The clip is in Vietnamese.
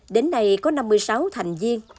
đến nay có năm mươi sáu thành viên